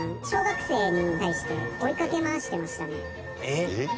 えっ？